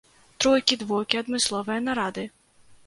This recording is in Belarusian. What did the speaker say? Тройкі, двойкі, адмысловыя нарады.